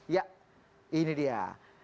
ya ini dia